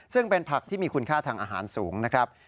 ซึ่งเป็นผักที่มีคุณค่าทางอาหารสูงนะครับ